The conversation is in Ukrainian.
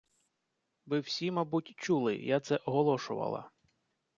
Ви всі, мабуть, чули, я це оголошувала!